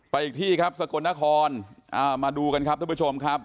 อีกที่ครับสกลนครมาดูกันครับทุกผู้ชมครับ